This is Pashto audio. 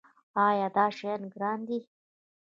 ایا دا شیان ګران دي؟